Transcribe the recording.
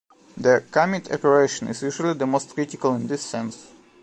The "commit" operation is usually the most critical in this sense.